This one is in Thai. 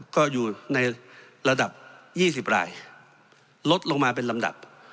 ก็อยู่ในระดับ๒๐รายลดลงมาเป็นลำดับ